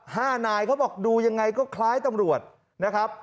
ห้านายเขาบอกดูยังไงก็คล้ายตำรวจนะครับ